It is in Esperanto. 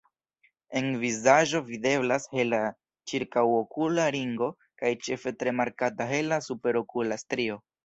En vizaĝo videblas hela ĉirkaŭokula ringo kaj ĉefe tre markata hela superokula strio.